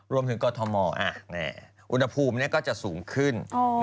กรทมอุณหภูมิก็จะสูงขึ้น